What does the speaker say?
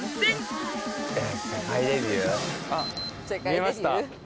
見えました。